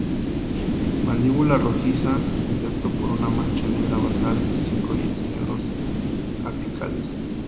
Mandíbula rojizas, excepto por una mancha negra basal y cinco dientes negros apicales.